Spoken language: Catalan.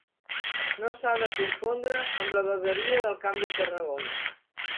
No s'ha de confondre amb la Vegueria del Camp de Tarragona.